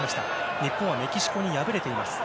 日本はメキシコに敗れています。